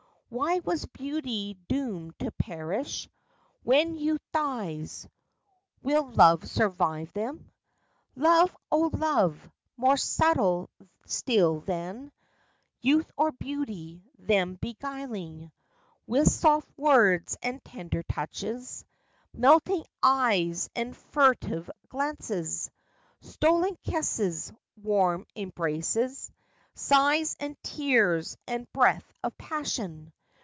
Why was beauty doomed to perish When youth dies ? Will love survive them ? Love, oh love ! More subtile still than Youth or beauty—them beguiling With soft words and tender touches, Melting eyes and furtive glances, Stolen kisses, warm embraces, Sighs and tears and breath of passion.